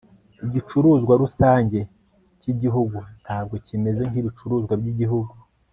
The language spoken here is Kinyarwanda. igicuruzwa rusange cyigihugu ntabwo kimeze nkibicuruzwa byigihugu